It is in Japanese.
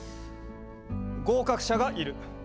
合格者がいる。